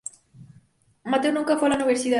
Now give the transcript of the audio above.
Mateo nunca fue a la universidad.